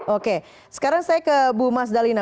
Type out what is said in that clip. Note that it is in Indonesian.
oke sekarang saya ke bu mas dalina